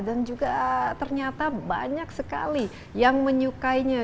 dan juga ternyata banyak sekali yang menyukainya